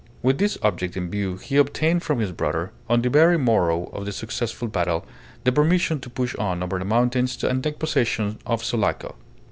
With this object in view he obtained from his brother, on the very morrow of the successful battle, the permission to push on over the mountains and take possession of Sulaco.